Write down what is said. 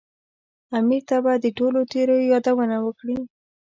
امیر ته به د ټولو تېریو یادونه وکړي.